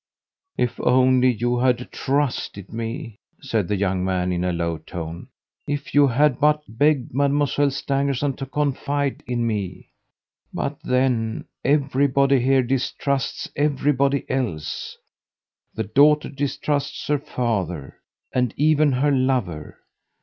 "If only you had trusted me!" said the young man, in a low tone. "If you had but begged Mademoiselle Stangerson to confide in me! But, then, everybody here distrusts everybody else, the daughter distrusts her father, and even her lover.